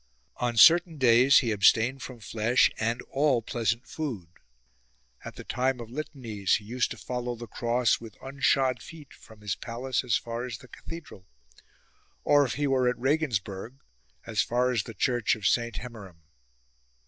On certain days he abstained from flesh and all pleasant food. At the time of litanies he used to follow the cross with unshod feet from his palace as far as the cathedral ; or if he were at Regensburg as far as the church of Saint Hemmeramm.